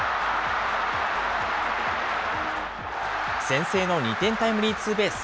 先制の２点タイムリーツーベース。